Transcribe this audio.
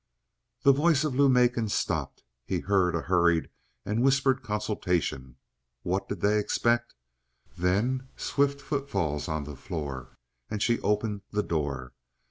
The voice of Lou Macon stopped. He heard a hurried and whispered consultation. What did they expect? Then swift foot falls on the floor, and she opened the door.